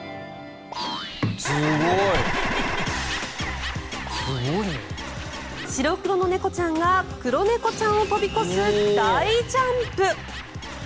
すごい！白黒の猫ちゃんが黒猫ちゃんを跳び越す大ジャンプ。